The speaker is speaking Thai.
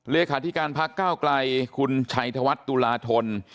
เลขาธิการพักก้าวไกลคุณชัยธวัฒน์ตุลาธน